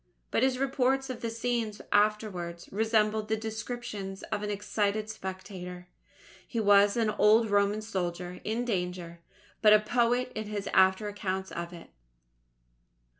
But his reports of these scenes afterwards, resembled the descriptions of an excited spectator. He was an old Roman soldier in danger, but a poet in his after accounts of it.